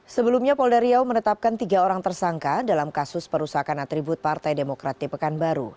sebelumnya polda riau menetapkan tiga orang tersangka dalam kasus perusahaan atribut partai demokrat di pekanbaru